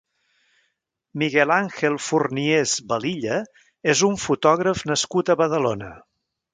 Miguel Ángel Forniés Velilla és un fotògraf nascut a Badalona.